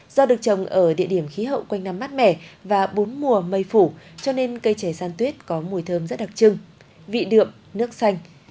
do được trồng ở địa điểm khí hậu quanh năm mát mẻ và bốn mùa mây phủ cho nên cây trẻ san tuyết có mùi thơm rất đặc trưng vị đượm nước xanh